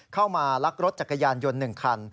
เข้ามาลักรถจักรยานยนต์๑คัน